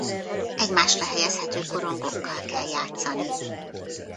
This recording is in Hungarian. Egymásra helyezhető korongokkal kell játszani.